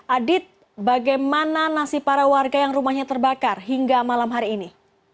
adit bagaimana nasib para warga yang rumahnya terbakar hingga malam hari ini